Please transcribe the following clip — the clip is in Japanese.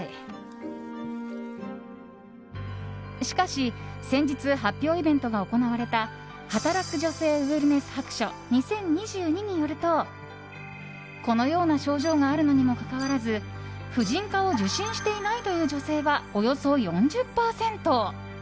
しかし先日発表イベントが行われた「働く女性ウェルネス白書２０２２」によるとこのような症状があるのにもかかわらず婦人科を受診していないという女性はおよそ４０％。